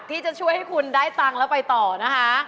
ที่จะช่วยให้คุณได้ตังค์แล้วไปต่อนะคะ